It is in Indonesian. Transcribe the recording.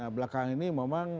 belakangan ini memang